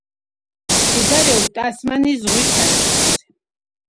მდებარეობს ტასმანიის ზღვის სანაპიროზე.